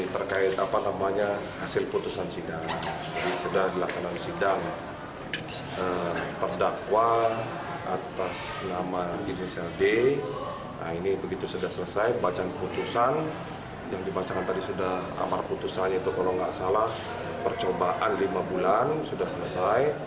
terdakwa atas nama gini sld nah ini begitu sudah selesai bacaan putusan yang dibacakan tadi sudah amal putusan itu kalau gak salah percobaan lima bulan sudah selesai